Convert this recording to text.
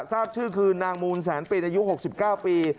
ทราบชื่อคือนางมูลแสนปินอายุ๖๙ปี